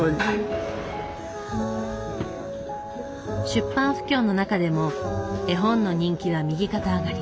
出版不況の中でも絵本の人気は右肩上がり。